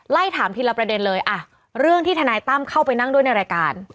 ถามทีละประเด็นเลยอ่ะเรื่องที่ทนายตั้มเข้าไปนั่งด้วยในรายการ